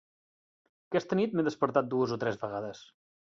Aquesta nit m'he despertat dues o tres vegades.